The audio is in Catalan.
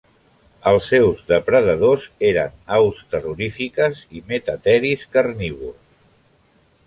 Els seus depredadors eren aus terrorífiques i metateris carnívors.